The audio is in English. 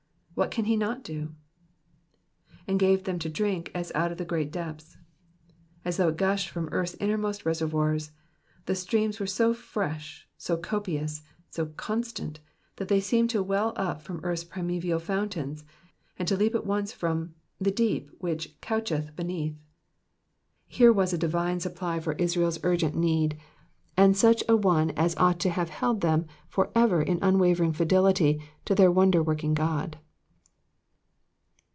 What can he not do ? ^^And gave them drink as out of the great depths^"*"* — as though it gushed from earth's innermost reservoirs. The streams were so fresh, so copious, so constant, tliat they seemed to well up from earth's primeval fountains, and to leap at once from *' the deep which coucheth beneath.'' Here was a divine supply for Israel's urgent need, and such an one as ought to have held them for ever in unwavering fidelity to their wonder working God.